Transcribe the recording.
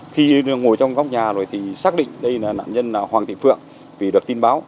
khi ngồi trong góc nhà rồi thì xác định đây là nạn nhân là hoàng thị phượng vì được tin báo